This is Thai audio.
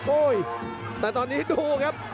โอ้ยแต่ตอนนี้ดูครับ